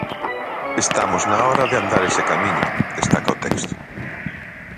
Estamos na hora de andar ese camiño, destaca o texto.